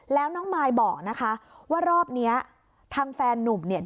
แล้วน้องมายบอกนะคะว่ารอบเนี้ยทางแฟนนุ่มเนี่ย